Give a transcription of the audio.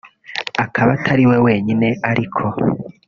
Akaba atari we wenyine ariko